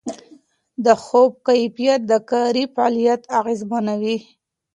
د خوب کیفیت د کاري فعالیت اغېزمنوي.